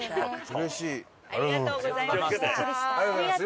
ありがとうございます。